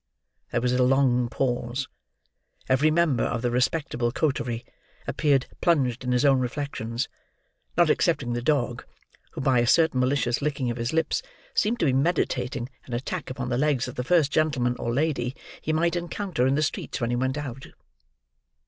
There was a long pause. Every member of the respectable coterie appeared plunged in his own reflections; not excepting the dog, who by a certain malicious licking of his lips seemed to be meditating an attack upon the legs of the first gentleman or lady he might encounter in the streets when he went out.